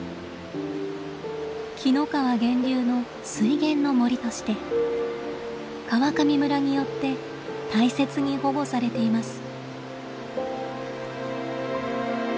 紀の川源流の「水源の森」として川上村によって大切に保護されています。